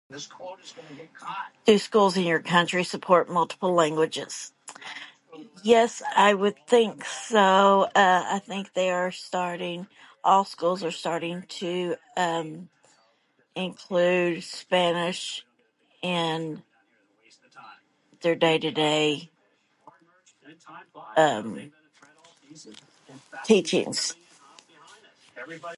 Do schools in your country support multiple languages? Yes, I would think so, ehh, I think they're starting... all schools are starting to, erm, include Spanish in their day-to-day, uhm, teachings.